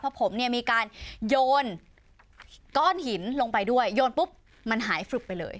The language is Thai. เพราะผมเนี่ยมีการโยนก้อนหินลงไปด้วยโยนปุ๊บมันหายฟลึบไปเลย